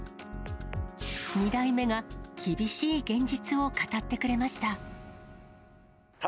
２代目が厳しい現実を語ってくれました。